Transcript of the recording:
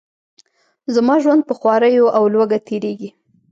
زما ژوند په خواریو او لوږه تیریږي.